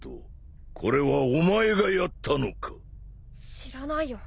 知らないよ。